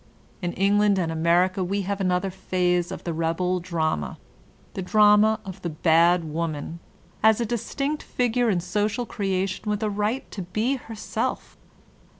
In England and America we have another phase of the rebel drama — the drama of the bad woman, as a distinct figure in social creation with a right to be herself.